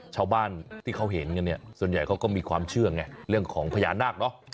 ชาวบ้านที่เขาเห็นกันเนี่ยส่วนใหญ่เขาก็มีความเชื่อไงเรื่องของพญานาคเนอะ